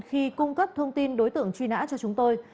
khi cung cấp thông tin đối tượng truy nã cho chúng tôi